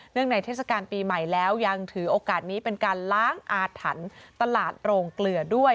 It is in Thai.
ในเทศกาลปีใหม่แล้วยังถือโอกาสนี้เป็นการล้างอาถรรพ์ตลาดโรงเกลือด้วย